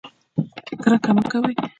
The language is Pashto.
کرکه مه کوئ